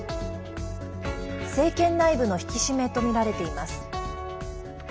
政権内部の引き締めとみられています。